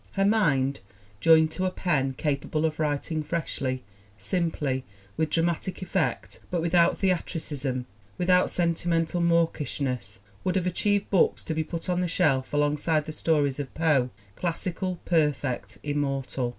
Her mind, joined to a pen capable of writing freshly, simply, with dramatic effect but with out theatricism, without sentimental mawkishness, would have achieved books to be put on the shelf along side the stories of Poe, classical, perfect, immortal.